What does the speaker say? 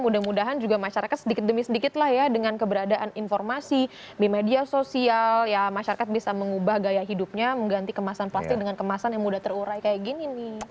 mudah mudahan juga masyarakat sedikit demi sedikit lah ya dengan keberadaan informasi di media sosial ya masyarakat bisa mengubah gaya hidupnya mengganti kemasan plastik dengan kemasan yang mudah terurai kayak gini nih